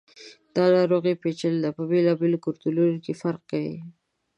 دا ناروغي پیچلي ده، په بېلابېلو کلتورونو کې فرق کوي.